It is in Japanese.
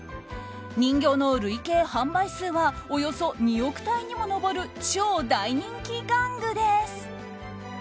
人形の累計販売数はおよそ２億体にも上る超大人気玩具です。